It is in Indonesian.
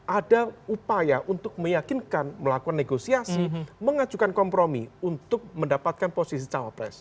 ada upaya untuk meyakinkan melakukan negosiasi mengajukan kompromi untuk mendapatkan posisi cawapres